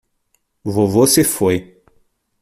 Vovô se foi